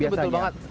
itu betul banget